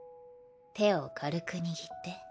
手を軽く握って。